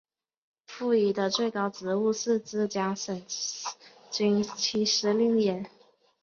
傅怡的最高职务是浙江省军区司令员。